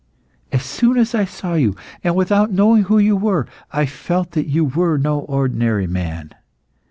As soon as I saw you, and without knowing who you were, I felt that you were no ordinary man.